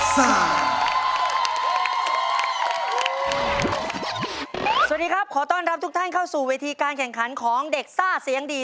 สวัสดีครับขอต้อนรับทุกท่านเข้าสู่เวทีการแข่งขันของเด็กซ่าเสียงดี